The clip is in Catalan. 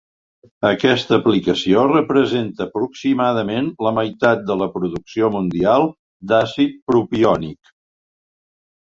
Aquesta aplicació representa aproximadament la meitat de la producció mundial d'àcid propiònic.